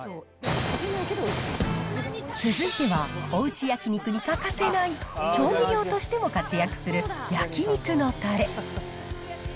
続いては、おうち焼き肉に欠かせない調味料としても活躍する焼き肉のたれ。